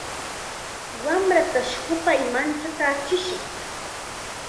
Wamratash hupay manchakaachishqa.